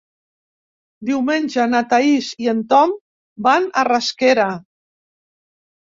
Diumenge na Thaís i en Tom van a Rasquera.